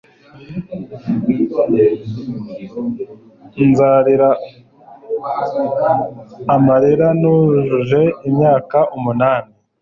Nzarira amarira nujuje imyaka umunani